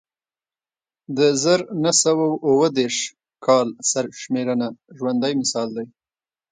د زر نه سوه اووه دېرش کال سرشمېرنه ژوندی مثال دی